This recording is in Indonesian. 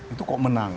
itu kok menang